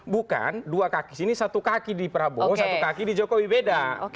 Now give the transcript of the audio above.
bukan dua kaki sini satu kaki di prabowo satu kaki di jokowi beda